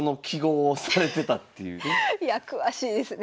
いや詳しいですね。